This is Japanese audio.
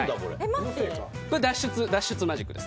脱出マジックです。